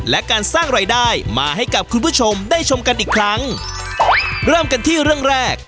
และการสร้างรายได้มาให้กับคุณผู้ชมได้ชมกันอีกครั้งเริ่มกันที่เรื่องแรก